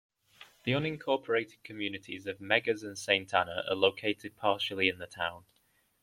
The unincorporated communities of Meggers and Saint Anna are located partially in the town.